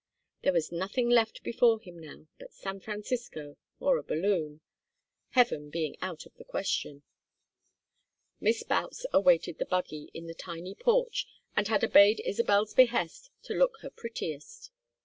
There was nothing left before him now but San Francisco or a balloon; heaven being out of the question. Miss Boutts awaited the buggy, in the tiny porch, and had obeyed Isabel's behest to look her prettiest.